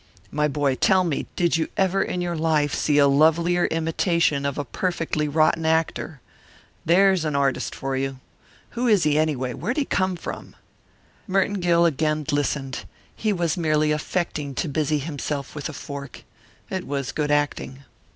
My boy, tell me, did you ever in all your life see a lovelier imitation of a perfectly rotten actor? There's an artist for you. Who is he, anyway? Where'd he come from?" Merton Gill again listened; he was merely affecting to busy himself with a fork. It was good acting.